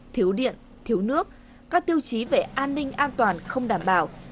thiếu điện thiếu nước các tiêu chí về an ninh an toàn không đảm bảo